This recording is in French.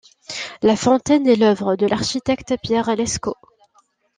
La fontaine est l'œuvre de l'architecte Pierre Lescot.